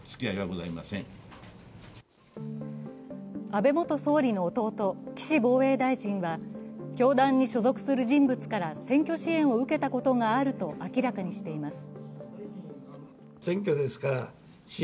安倍元総理の弟・岸防衛大臣は教団に所属する人物から選挙支援を受けたことがあると明らかにしています。